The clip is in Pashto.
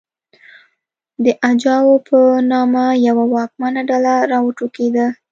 د اجاو په نامه یوه واکمنه ډله راوټوکېده